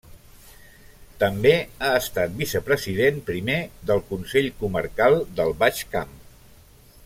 També ha estat vicepresident primer del Consell Comarcal del Baix Camp.